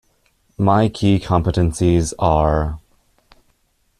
My key competencies are...